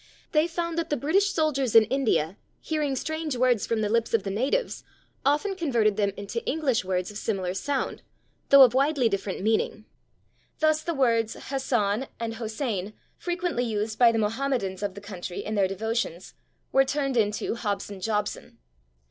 They found that the British soldiers in India, hearing strange words from the lips of the natives, often converted them into English words of similar sound, though of widely different meaning. Thus the words /Hassan/ and /Hosein/, frequently used by the Mohammedans of the country in their devotions, were turned into /Hobson Jobson